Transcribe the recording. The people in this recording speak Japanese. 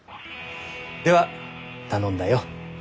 では頼んだよ。